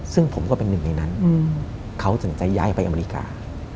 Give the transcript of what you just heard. ซึ่งผมก็เป็นหนึ่งในนั้นเขาถึงจะย้ายไปอเมริกา